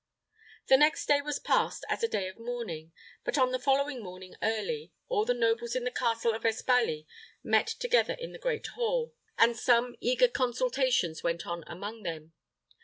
The next day was passed as a day of mourning; but on the following morning early, all the nobles in the castle of Espaly met together in the great hall, and some eager consultations went on among them.